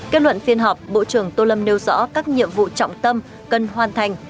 kết luận phiên họp bộ trưởng tô lâm nêu rõ các nhiệm vụ trọng tâm cần hoàn thành